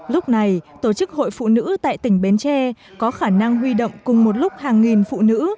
lúc này tổ chức hội phụ nữ tại tỉnh bến tre có khả năng huy động cùng một lúc hàng nghìn phụ nữ